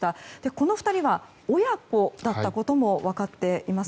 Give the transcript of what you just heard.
この２人は親子だったことも分かっています。